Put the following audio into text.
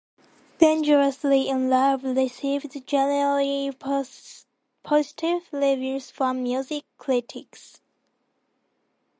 "Dangerously in Love" received generally positive reviews from music critics.